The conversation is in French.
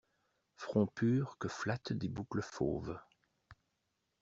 Front pur que flattent des boucles fauves!